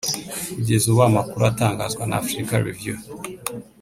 Kugeza ubu amakuru atangazwa na Afrika Review